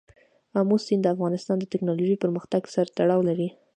آمو سیند د افغانستان د تکنالوژۍ پرمختګ سره تړاو لري.